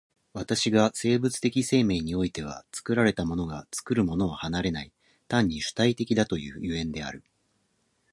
私が生物的生命においては作られたものが作るものを離れない、単に主体的だという所以である。